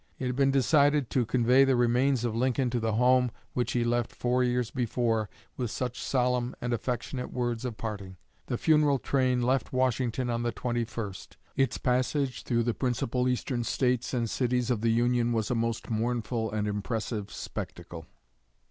It had been decided to convey the remains of Lincoln to the home which he left four years before with such solemn and affectionate words of parting. The funeral train left Washington on the 21st. Its passage through the principal Eastern States and cities of the Union was a most mournful and impressive spectacle.